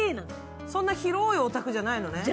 そんな広いお宅じゃないのね。